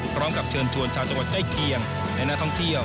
พร้อมกับเชิญชวนชาติต้องกดใจเคียงในน้ำท่องเที่ยว